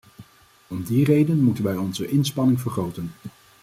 Om die reden moeten wij onze inspanningen vergroten.